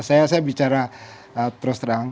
saya bicara terus terang